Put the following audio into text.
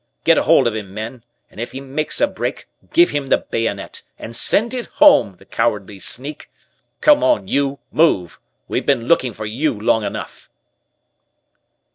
Get a hold of him, men, and if he makes a break, give him the bayonet, and send it home, the cowardly sneak. Come on, you, move, we've been looking for you long enough."